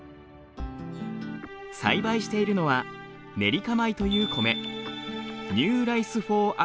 栽培しているのはネリカ米という米。の略です。